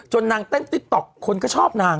นางเต้นติ๊กต๊อกคนก็ชอบนาง